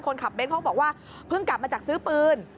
คนขับเน้นเขาบอกว่าเพิ่งกลับมาจากซื้อปืน